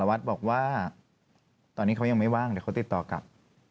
วัดบอกว่าตอนนี้เขายังไม่ว่างเดี๋ยวเขาติดต่อกลับ